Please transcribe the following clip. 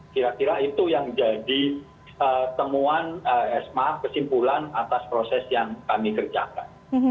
kira kira itu yang jadi temuan kesimpulan atas proses yang kami kerjakan